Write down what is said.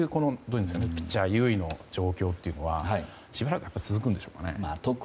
ピッチャー優位の状況というのはしばらく続くんでしょうか。